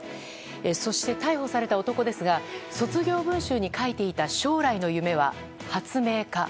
そして逮捕された男ですが卒業文集に書いていた将来の夢は発明家。